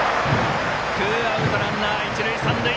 ツーアウト、ランナー、一塁三塁。